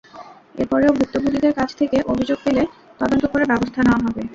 এরপরেও ভুক্তভোগীদের কাছ থেকে অভিযোগ পেলে তদন্ত করে ব্যবস্থা নেওয়া হবে।